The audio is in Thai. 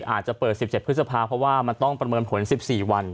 อาจจะเปิด๑๗พฤษภาเพราะว่ามันต้องประเมินผล๑๔วัน